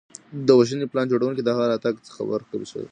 د وژنې پلان جوړونکي د هغه راتګ ته خبر شول.